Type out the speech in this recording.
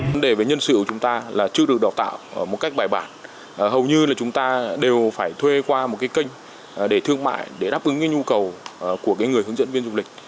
vấn đề về nhân sự của chúng ta là chưa được đào tạo một cách bài bản hầu như là chúng ta đều phải thuê qua một cái kênh để thương mại để đáp ứng cái nhu cầu của người hướng dẫn viên du lịch